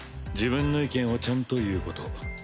自分の意見をちゃんと言うこと。